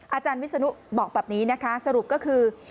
อาจารย์วิศนุบอกแบบนี้นะคะสรุปก็คือ